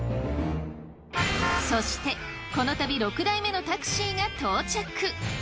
そしてこの旅６台目のタクシーが到着。